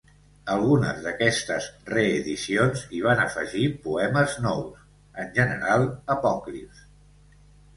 Alguna d'aquestes reedicions hi van afegir poemes nous, en general apòcrifs.